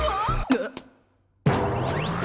えっ？